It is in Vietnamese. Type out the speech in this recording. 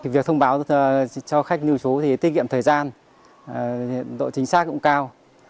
việc thông báo cho khách lưu trú thì tiết kiệm thời gian độ chính xác cũng cao